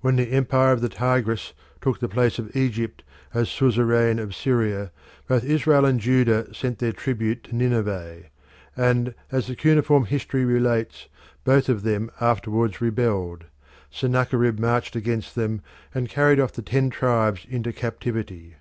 When the empire of the Tigris took the place of Egypt as suzerain of Syria both Israel and Judah sent their tribute to Nineveh; and as the cuneiform history relates, both of them afterwards rebelled. Sennacherib marched against them and carried off the ten tribes into captivity.